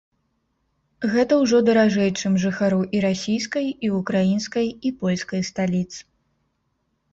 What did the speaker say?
Гэта ўжо даражэй чым жыхару і расійскай, і украінскай, і польскай сталіц.